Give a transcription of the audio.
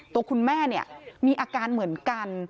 ตัวคุณแม่มีอาการเหมือนกัน